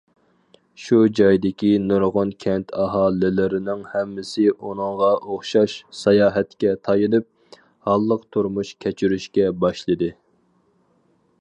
شۇ جايدىكى نۇرغۇن كەنت ئاھالىلىرىنىڭ ھەممىسى ئۇنىڭغا ئوخشاش ساياھەتكە تايىنىپ، ھاللىق تۇرمۇش كەچۈرۈشكە باشلىدى.